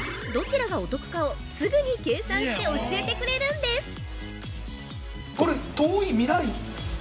どちらがお得かをすぐに計算して教えてくれるんです！